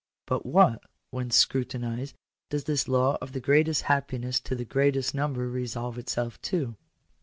But what, when scrutinized, does this law of the greatest happiness to the greatest number resolve itself into?